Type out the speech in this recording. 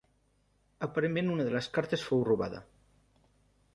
Aparentment una de les cartes fou robada.